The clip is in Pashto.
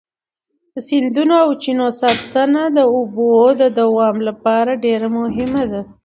د سیندونو او چینو ساتنه د اوبو د دوام لپاره ډېره مهمه ده.